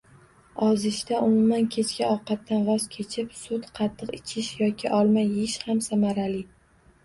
Ozishda umuman kechki ovqatdan voz kechib, sut, qatiq ichish yoki olma yeyish ham samarali.